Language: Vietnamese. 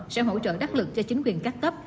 sẽ hỗ trợ đắc lực cho chính quyền các cấp